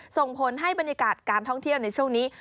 ส่งผลให้บรรยากาศการท่องเที่ยวในช่วงนี้